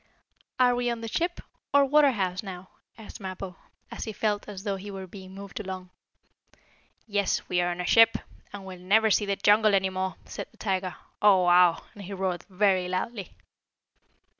"Are we on the ship, or water house, now?" asked Mappo, as he felt as though he were being moved along. "Yes, we are on a ship, and we'll never see the jungle any more," said the tiger. "Oh wow!" and he roared very loudly.